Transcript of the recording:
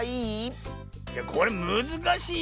いやこれむずかしいよ。